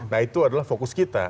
nah itu adalah fokus kita